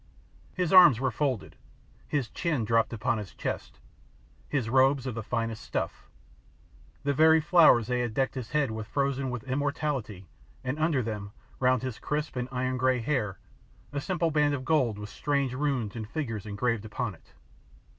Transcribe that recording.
His arms were folded, his chin dropped upon his chest, his robes of the finest stuff, the very flowers they had decked his head with frozen with immortality, and under them, round his crisp and iron grey hair, a simple band of gold with strange runes and figures engraved upon it.